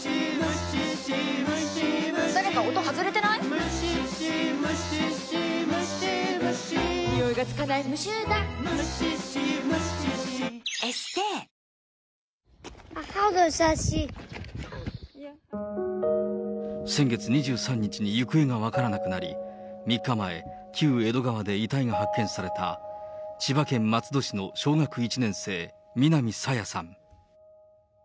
「感謝セール」２４日まで先月２３日に行方が分からなくなり、３日前、旧江戸川で遺体が発見された千葉県松戸市の小学１年生、南朝芽さん。